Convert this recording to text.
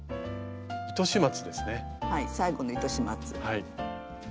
はい最後の糸始末。